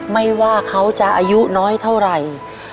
ไม่ว่าเขาจะอายุน้อยเท่าไหร่